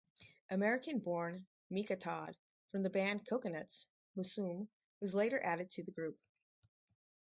American-born Mika Todd from the band Coconuts Musume was later added to the group.